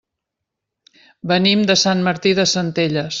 Venim de Sant Martí de Centelles.